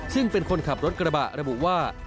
ซึ่งเป็นคนขับรถกระบะระบุว่า